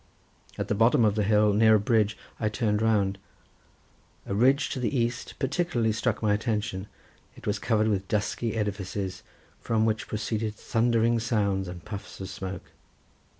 At the bottom of the hill near a bridge I turned round. A ridge to the east particularly struck my attention; it was covered with dusky edifices, from which proceeded thundering sounds, and puffs of smoke.